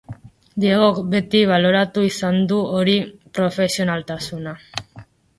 Diegok beti baloratu izan du hori, profesionaltasuna.